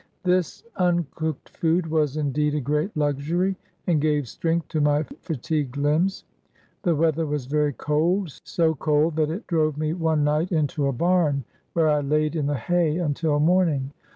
This uncooked food was indeed a great luxury, and* gave strength to my fatigued limbs. The weather was very cold, — so cold, that it drove me one night into a barn, where I laid in the hay until morning.